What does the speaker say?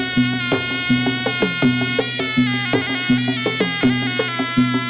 สวัสดีครับ